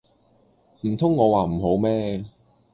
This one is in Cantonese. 唔通我話唔好咩